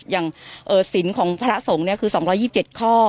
อย่างสินของพระสงฆ์คือ๒๒๗ข้อ